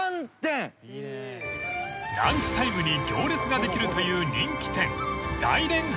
［ランチタイムに行列ができるという人気店］